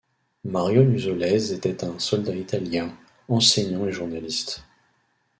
Mario Nuzzolese était un soldat italien, enseignant et journaliste.